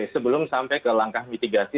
sebelum sampai ke langkah mitigasi